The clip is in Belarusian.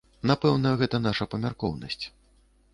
Напэўна, гэта наша памяркоўнасць.